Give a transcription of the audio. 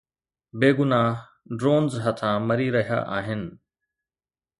بيگناهه ڊرونز هٿان مري رهيا آهن.